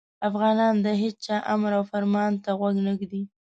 افغانان د هیچا امر او فرمان ته غوږ نه ږدي.